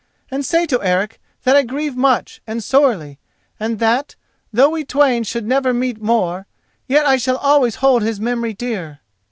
And say to Eric that I grieve much and sorely, and that, though we twain should never meet more, yet I shall always hold his memory dear.